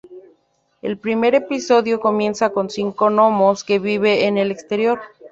El primer episodio comienza con cinco nomos que viven en el exterior.